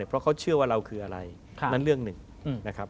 เพราะเขาเชื่อว่าเราคืออะไรนั่นเรื่องหนึ่งนะครับ